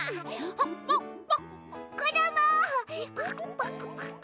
パクパク。